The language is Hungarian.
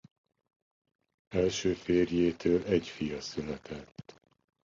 Első férjétől egy fia született.